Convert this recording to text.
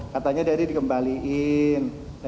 katanya dari dikembalikan